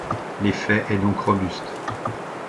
L'effet est donc robuste.